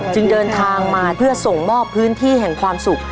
เดินทางมาเพื่อส่งมอบพื้นที่แห่งความสุข